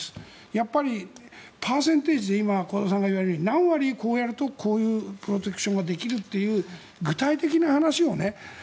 やっぱりパーセンテージでいうと何割こうやるとこういうプロテクションができるという具体的な話を。